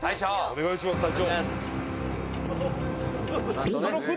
「お願いします隊長」